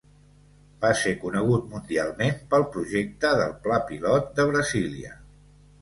Va ser conegut mundialment pel projecte del Pla Pilot de Brasília.